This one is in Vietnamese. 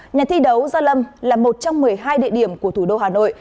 nhà thi đấu gia lâm là một trong một mươi hai địa điểm của thủ đô hà nội